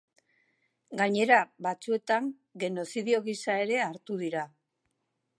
Gainera, batzuetan, genozidio gisa ere hartu dira.